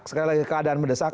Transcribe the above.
sekali lagi keadaan mendesak